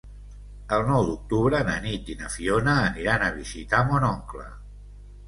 El nou d'octubre na Nit i na Fiona aniran a visitar mon oncle.